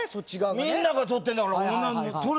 「みんなが取ってるんだから取れ」